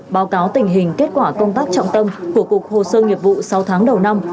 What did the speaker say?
báo cáo tình hình kết quả công tác trọng tâm của cục hồ sơ nghiệp vụ sáu tháng đầu năm